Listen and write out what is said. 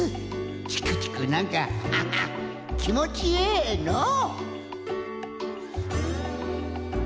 チクチクなんかハハッきもちええのう。